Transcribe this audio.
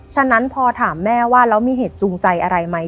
ฉะนั้นพอถามแม่ว่าแล้วมีเหตุจูงใจอะไรไหม